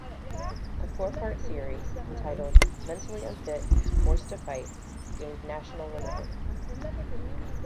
The four-part series, entitled "Mentally Unfit, Forced to Fight", gained national renown.